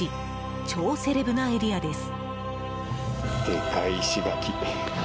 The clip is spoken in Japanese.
超セレブなエリアです。